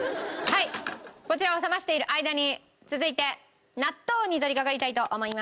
はいこちらを冷ましている間に続いて納豆に取りかかりたいと思います。